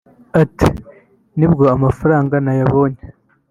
Ati “Nibyo amafaranga nayabonye